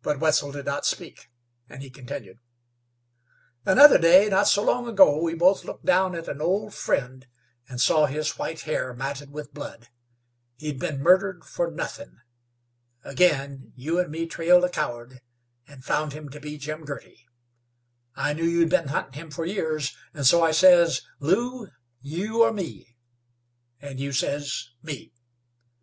But Wetzel did not speak, and he continued: "Another day not so long ago we both looked down at an old friend, and saw his white hair matted with blood. He'd been murdered for nothin'. Again you and me trailed a coward and found him to be Jim Girty. I knew you'd been huntin' him for years, and so I says, 'Lew, you or me?' and you says, 'Me.'